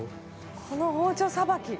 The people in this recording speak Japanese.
この包丁さばき。